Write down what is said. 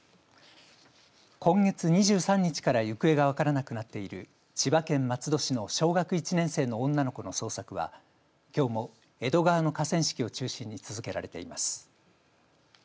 今月２３日から行方が分からなくなっている千葉県松戸市の小学１年生の女の子の捜索はきょうも江戸川の河川敷を中心に続けられています。